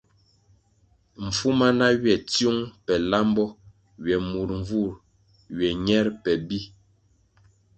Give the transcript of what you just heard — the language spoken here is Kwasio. Mfuma na ywe tsiung pe lambo ywe mur mvur ywe ñer pe bi.